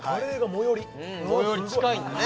最寄り近いんだね